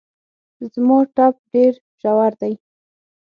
زما ټپ ډېر ژور دی